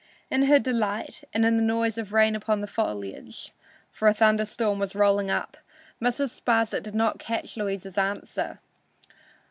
In her delight and in the noise of rain upon the foliage (for a thunder storm was rolling up) Mrs. Sparsit did not catch Louisa's answer.